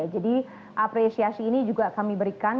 jadi apresiasi ini juga kami berikan